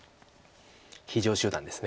非常手段です。